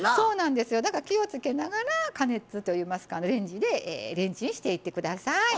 だから気をつけながら加熱といいますかレンジでレンチンしていって下さい。